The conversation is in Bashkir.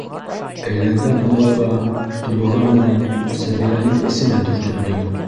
Әйләнгән ыңғайға тубығы менән Сәбиләһенең эсенә төртөлдө.